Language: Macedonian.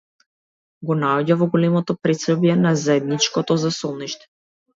Го наоѓа во големото претсобје на заедничкото засолниште.